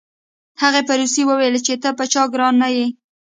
هغه په روسي وویل چې ته په چا ګران نه یې